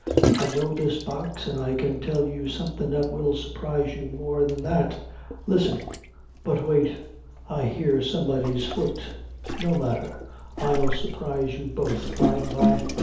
I know this box an' I can tell you something that will surprise you more than that. Listen but wait I hear somebody's foot. No matter I'll surprise you both by an' by."